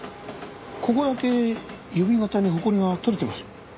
ここだけ指形に埃が取れてます。